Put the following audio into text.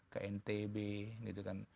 ke ntb gitu kan